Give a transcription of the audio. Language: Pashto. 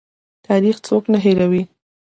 تاریخ څوک نه هیروي؟